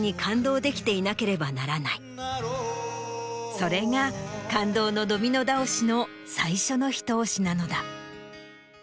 それが感動のドミノ倒しの最初のひと押しなのだ。